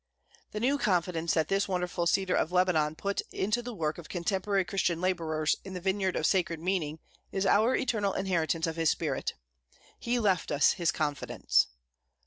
The new confidence that this wonderful Cedar of Lebanon put into the work of contemporary Christian labourers in the vineyard of sacred meaning is our eternal inheritance of his spirit. He left us his confidence.